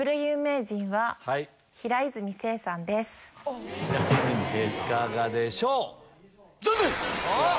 いかがでしょう？